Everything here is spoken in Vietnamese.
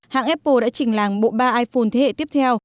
hãng apple đã trình làng bộ ba iphone thế hệ tiếp theo